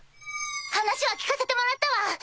話は聞かせてもらったわ！